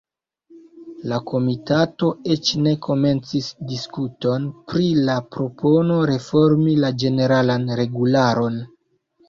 La komitato eĉ ne komencis diskuton pri la propono reformi la ĝeneralan regularon.